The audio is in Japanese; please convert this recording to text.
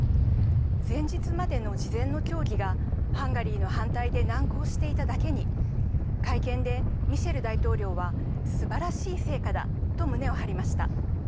前日までの事前の協議がハンガリーの反対で難航していただけに会見でミシェル大統領はすばらしい成果だと胸を張りました。